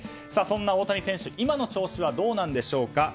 そんな大谷選手、今の調子はどうなんでしょうか。